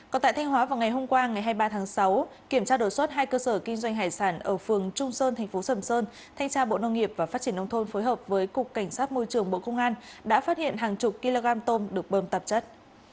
còn tại thanh hóa vào ngày hôm qua ngày hai mươi ba tháng sáu kiểm tra đột xuất hai cơ sở kinh doanh hải sản ở phường trung sơn thành phố sầm sơn thanh tra bộ nông nghiệp và phát triển nông thôn phối hợp với cục cảnh sát môi trường bộ công an đã phát hiện hàng chục kg tôm được bơm tạp chất